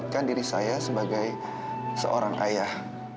jadi saya sebagai seorang ayah